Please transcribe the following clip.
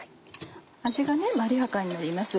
味がまろやかになります。